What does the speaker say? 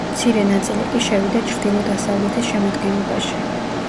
მცირე ნაწილი კი შევიდა ჩრდილო-დასავლეთის შემადგენლობაში.